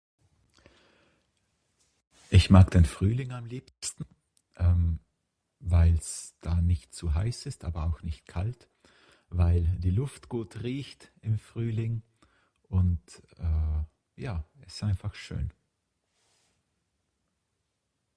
Ich mag den Frühling am liebsten, ehm weils da nicht zu heiß ist aber auch nicht kalt, weil die Luft gut riecht im Frühling und eh ja es einfach schön.